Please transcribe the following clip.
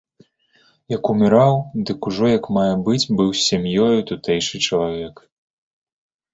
Як уміраў, дык ужо як мае быць быў з сям'ёю тутэйшы чалавек.